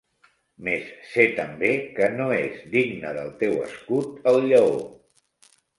Mes sé també que no és digne del teu escut el lleó.